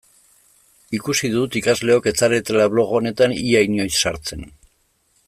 Ikusi dut ikasleok ez zaretela blog honetan ia inoiz sartzen.